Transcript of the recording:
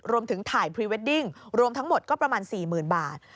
รวมถึงถ่ายพรีเวดดิ้งรวมทั้งหมดก็ประมาณ๔๐๐๐บาท